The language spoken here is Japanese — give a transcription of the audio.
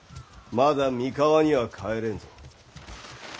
まだ三河には帰れんぞ。